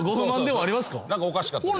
何かおかしかったですか？